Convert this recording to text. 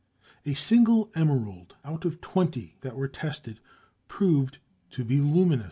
A single emerald, out of twenty that were tested, proved to be luminous.